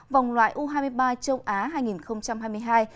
vòng loại u hai mươi ba châu á hai nghìn hai mươi hai